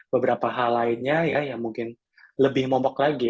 beberapa hal lainnya ya yang mungkin lebih momok lagi